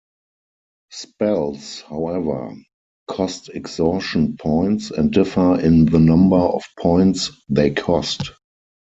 Spells, however, cost exhaustion points and differ in the number of points they cost.